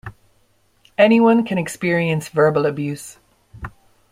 Anyone can experience verbal abuse.